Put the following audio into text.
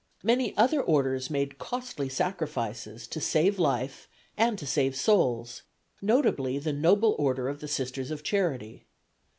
Many other orders made costly sacrifices to save life and to save souls, notably the noble Order of the Sisters of Charity.